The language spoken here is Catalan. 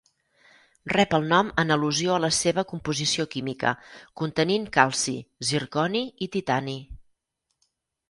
Rep el nom en al·lusió a la seva composició química, contenint calci, zirconi i titani.